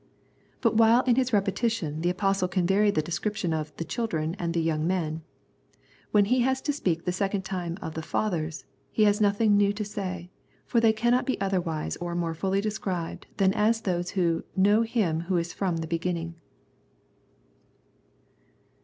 But while in his repeti tion the Apostle can vary the description of the " children " and the " young men," when he has to speak the second time of the " fathers " he has nothing new to say, for they cannot be otherwise or more fully described than as those who " know Him Who is from the beginning."